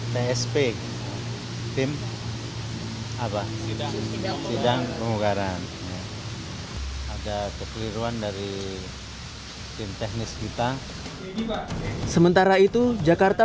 tsp tim apa sidang pemugaran ada kekeliruan dari tim teknis kita sementara itu jakarta